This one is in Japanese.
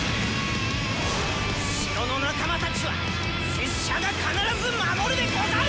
城の仲魔たちは拙者が必ず守るでござる！